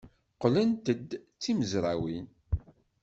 Qqlent-d tmezrawin.